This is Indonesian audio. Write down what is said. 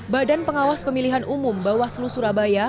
badan pengawas pemilihan umum bawaslu surabaya